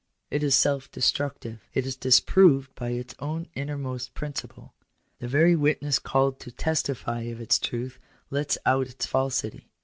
It is self destructive. It is disproved by its own innermost principle. The very witness called to testify of its truth lets out its falsity.